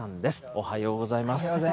おはようございます。